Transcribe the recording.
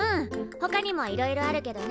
ほかにもいろいろあるけどね。